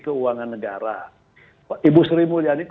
keuangan negara ibu sri mulyani